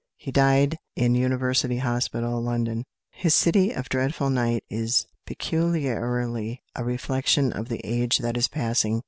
He died in University Hospital, London. His "City of Dreadful Night" is peculiarly a reflection of the age that is passing.